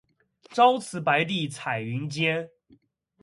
朝辞白帝彩云间